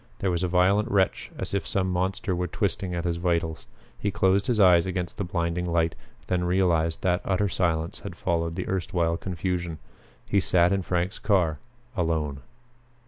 There was a violent wrench as if some monster were twisting at his vitals. He closed his eyes against the blinding light, then realized that utter silence had followed the erstwhile confusion. He sat in Frank's car alone.